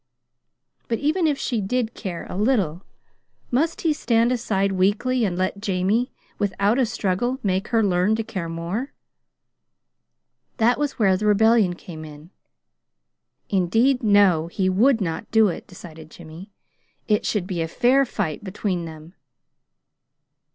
But even if she did care, a little, must he stand aside, weakly, and let Jamie, without a struggle, make her learn to care more? That was where the rebellion came in. Indeed, no, he would not do it, decided Jimmy. It should be a fair fight between them.